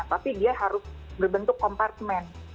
tapi dia harus berbentuk kompartemen